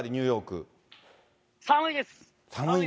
寒いです。